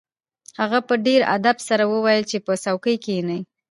هغه په ډیر ادب سره وویل چې په څوکۍ کښیني